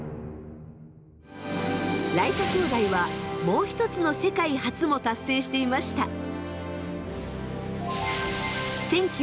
ライト兄弟はもうひとつの世界初も達成していました。